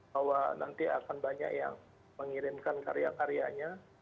bahwa nanti akan banyak yang mengirimkan karya karyanya